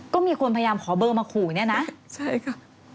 ก็มีคนพยายามขอเบอร์มาขู่เนี่ยนะใช่ค่ะ